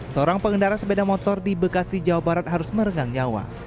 seorang pengendara sepeda motor di bekasi jawa barat harus merenggang nyawa